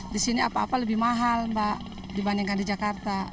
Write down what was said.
di sini apa apa lebih mahal mbak dibandingkan di jakarta